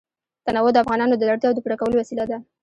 تنوع د افغانانو د اړتیاوو د پوره کولو وسیله ده.